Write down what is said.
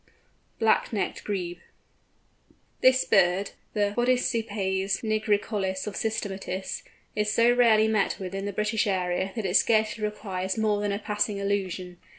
BLACK NECKED GREBE. This bird, the Podicipes nigricollis of systematists, is so rarely met with in the British area, that it scarcely requires more than a passing allusion.